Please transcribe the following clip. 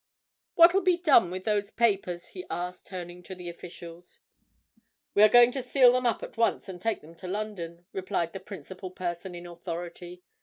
What'll be done with those papers?" he asked, turning to the officials. "We are going to seal them up at once, and take them to London," replied the principal person in authority.